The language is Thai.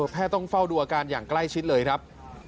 ต้องเฝ้าดูอาการอย่างใกล้ชิดเลยครับ